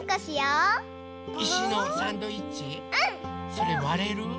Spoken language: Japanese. それわれる？